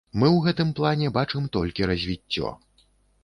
Мы ў гэтым плане бачым толькі развіццё.